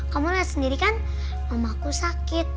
kamu lihat sendiri kan mamaku sakit